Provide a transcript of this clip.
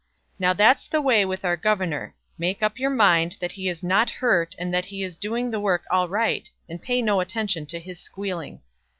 "Now, that's the way with our governor; make up your mind that he is not hurt and that he is doing the work all right, and pay no attention to his squealing."